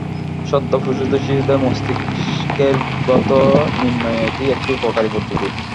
সদ্য প্রসূত শিশুদের মস্তিষ্কের ক্ষত নির্ণয়ে এটি একটি উপকারি পদ্ধতি।